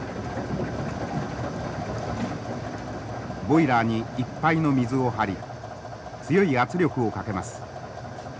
ボイラーにいっぱいの水を張り強い圧力をかけます。